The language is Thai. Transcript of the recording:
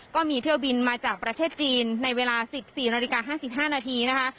ก็มีเที่ยวบินมาจากประเทศจีนในเวลาสิบสี่นาฬิกาห้าสิบห้านาทีนะคะ